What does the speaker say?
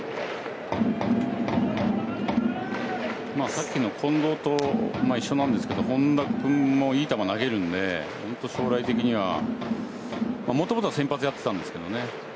さっきの近藤と一緒なんですけど本田君も良い球投げるんで将来的にはもともとは先発をやってたんですけどね